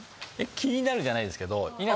気になるじゃないですけど。